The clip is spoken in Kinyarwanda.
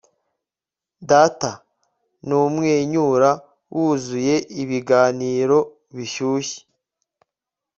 Data numwenyura wuzuye ibiganiro bishyushye